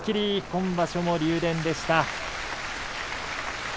今場所も竜電でした。